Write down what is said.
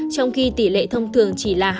trong khi tỷ lệ thông thường chỉ là hai